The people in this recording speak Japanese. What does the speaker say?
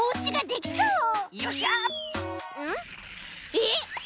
えっ！